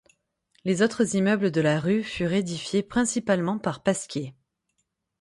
Les autres immeubles de la rue furent édifiés principalement par Pasquier.